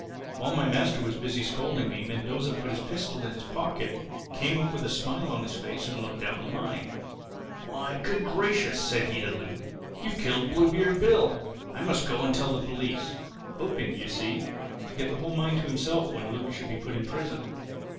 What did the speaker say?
"While my master was busy scolding me Mendoza put his pistol in his pocket, came up with a smile on his face and looked down the mine. "'Why, Good Gracious!' said he to Luke, 'You've killed Bluebeard Bill. I must go and tell the police'—hoping, you see, to get the whole mine to himself when Luke should be put in prison.